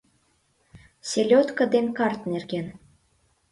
Селёдко ден карт нерген